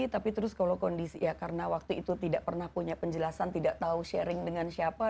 tapi terus kalau kondisi ya karena waktu itu tidak pernah punya penjelasan tidak tahu sharing dengan siapa